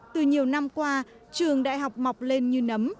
từ nhiều năm qua trường đại học mọc lên như nấm